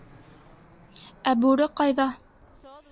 — Ә Бүре ҡайҙа?